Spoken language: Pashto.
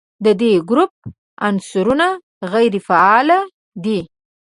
د دې ګروپ عنصرونه غیر فعال دي.